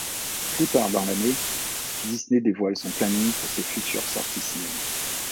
Plus tard dans l'année, Disney dévoile son planning pour ses futurs sorties cinéma.